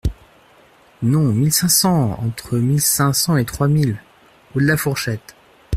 Non, mille cinq cents ! Entre mille cinq cents et trois mille – haut de la fourchette.